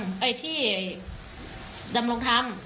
ปัจจุบันเนี่ยนะมีญาติคนไข้มาส่งหนังสือที่ยุติธรรมที่ดำรงธรรม